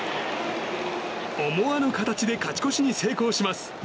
思わぬ形で勝ち越しに成功します。